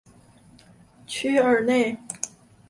屈尔内。